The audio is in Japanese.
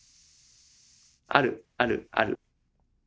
ある、ある、ある。